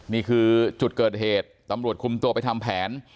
นี่คือจุดเกิดเหตุตำรวจคุมตัวไปทำแผน